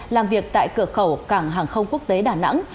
làm việc tại cửa khẩu cảng hàng không quốc tế đà nẵng